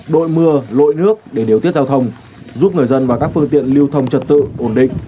đội mưa lội nước để điều tiết giao thông giúp người dân và các phương tiện lưu thông trật tự ổn định